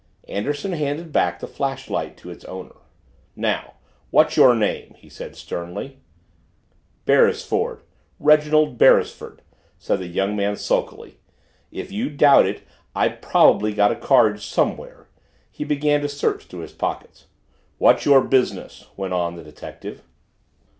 Anderson handed back the flashlight to its owner. "Now what's your name?" he said sternly. "Beresford Reginald Beresford," said the young man sulkily. "If you doubt it I've probably got a card somewhere " He began to search through his pockets. "What's your business?" went on the detective.